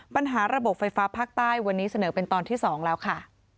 ปัญหาระบบไฟฟ้าภาคใต้วันนี้เสนอเป็นตอนที่๒แล้วค่ะ